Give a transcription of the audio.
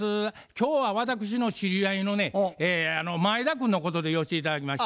今日は私の知り合いのね前田君のことで寄して頂きまして。